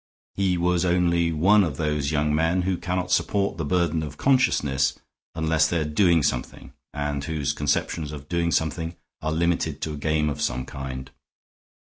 He was only one of those young men who cannot support the burden of consciousness unless they are doing something, and whose conceptions of doing something are limited to a game of some kind.